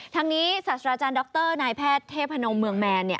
ทางนี้ศาสตราจารย์ดรนายแพทย์เทพนมเมืองแมน